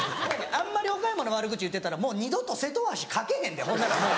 あんまり岡山の悪口言ってたらもう二度と瀬戸大橋架けへんでほんならもう。